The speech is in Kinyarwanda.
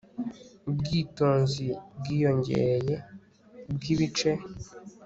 Ubwitonzi bwiyongereye bwibice